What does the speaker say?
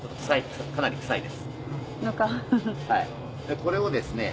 これをですね